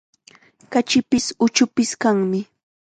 Kachipis, uchupis kanmi.